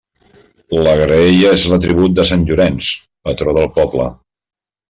La graella és l'atribut de sant Llorenç, patró del poble.